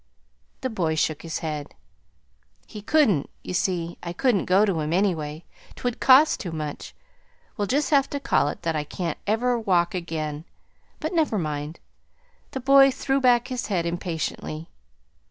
The boy shook his head. "He couldn't you see; I couldn't go to him, anyway. 'Twould cost too much. We'll just have to call it that I can't ever walk again. But never mind." The boy threw back his head impatiently.